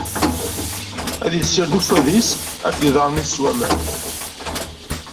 Ad issired uffad-is akked iḍarren-is s waman.